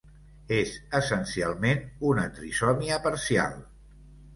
És essencialment una trisomia parcial.